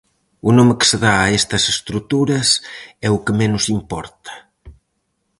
O nome que se dá a estas estruturas é o que menos importa.